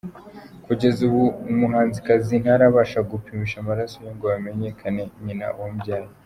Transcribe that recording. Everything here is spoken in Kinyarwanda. Kugeza ubu uyu muhanzikazi ntarabasha gupimisha amaraso ye ngo hamenyekane nyina wamubyaye.